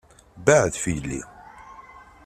Beεεed ɣef yelli!